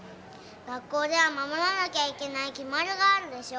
学校じゃまもらなきゃいけないきまりがあるでしょ。